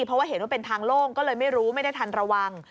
เพราะว่าเห็นว่าเป็นทางโล่งก็เลยไม่รู้ไม่ได้ทันระวัง